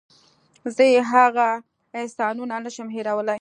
زه یې هغه احسانونه نشم هېرولی.